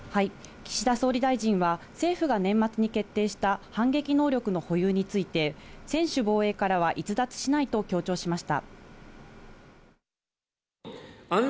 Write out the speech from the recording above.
岸田総理大臣は政府が年末に決定した反撃能力の保有について、専守防衛からは逸脱しないと強調しました。